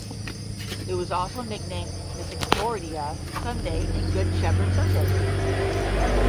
It was also nicknamed Misericordia Sunday and Good Shepherd Sunday.